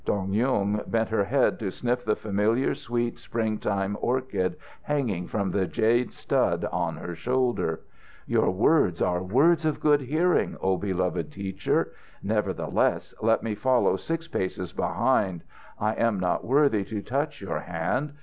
Dong Yung bent her head to sniff the familiar sweet springtime orchid hanging from the jade stud on her shoulder. "Your words are words of good hearing, O beloved Teacher. Nevertheless, let me follow six paces behind. I am not worthy to touch your hand.